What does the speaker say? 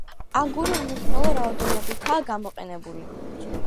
აგური უმნიშვნელო რაოდენობითაა გამოყენებული.